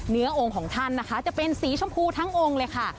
องค์ของท่านนะคะจะเป็นสีชมพูทั้งองค์เลยค่ะ